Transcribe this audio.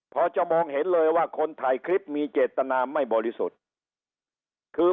พอจะมองเห็นเลยว่าคนถ่ายคลิปมีเจตนาไม่บริสุทธิ์คือ